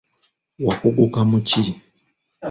Wakuguka mu ki?